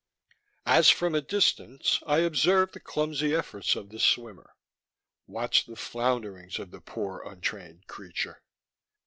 _As from a distance I observed the clumsy efforts of the swimmer, watched the flounderings of the poor, untrained creature....